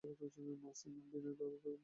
মাসিমা, বিনয়বাবুকে খেতে বলো-না।